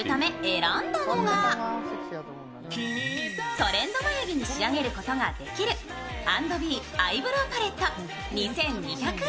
トレンド眉毛に仕上げることができる、＆ｂｅアイブロウパレット２２００円。